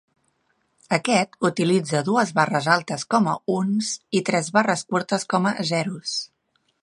Aquest utilitza dues barres altes com a "uns" i tres barres curtes com a "zeros".